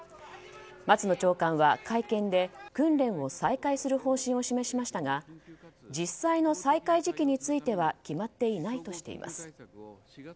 松野長官は会見で、訓練を再開する方針を示しましたが実際の再開時期については決まっていないとしています。